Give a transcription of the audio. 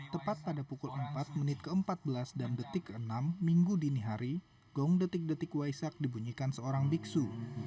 tepat pada pukul empat menit ke empat belas dan detik ke enam minggu dini hari gong detik detik waisak dibunyikan seorang biksu